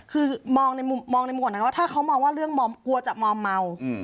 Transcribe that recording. คือมองในมุมมองในหมวดนั้นว่าถ้าเขามองว่าเรื่องมอมกลัวจะมอมเมา